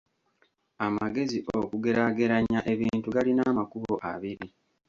Amagezi okugeraageranya ebintu galina amakubo abiri.